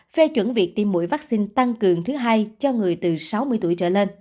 phê chuẩn việc tiêm mũi vaccine tăng cường thứ hai cho người từ sáu mươi tuổi